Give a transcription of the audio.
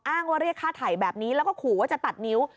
ว่าเรียกค่าไถ่แบบนี้แล้วก็ขู่ว่าจะตัดนิ้ว